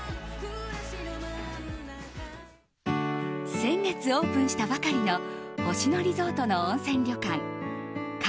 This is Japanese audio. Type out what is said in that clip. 先月オープンしたばかりの星野リゾートの温泉旅館界